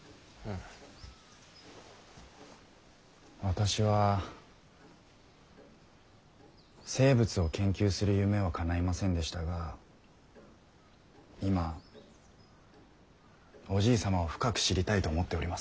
私は生物を研究する夢はかないませんでしたが今おじい様を深く知りたいと思っております。